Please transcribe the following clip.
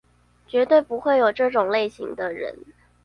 絕對不會有這種類型的人